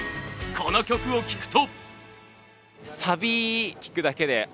この曲を聴くと。